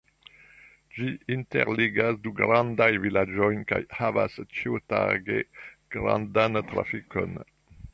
Ĝi interligas du grandajn vilaĝojn kaj havas ĉiutage grandan trafikon.